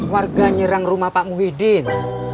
warga nyerang rumah pak muhyiddin